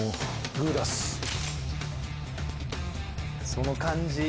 その感じ？